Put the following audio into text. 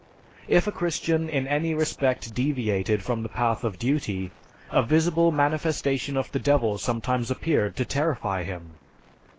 If a Christian in any respect deviated from the path of duty, a visible manifestation of the devil sometimes appeared to terrify him.